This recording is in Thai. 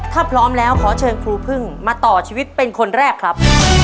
ถ้าพร้อมแล้วขอเชิญครูพึ่งมาต่อชีวิตเป็นคนแรกครับ